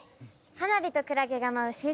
花火とクラゲが舞う水族館。